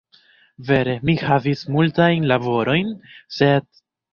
Vere, mi havis multajn laborojn, sed